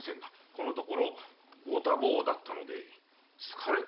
このところご多忙だったので疲れていらっしゃるのでは？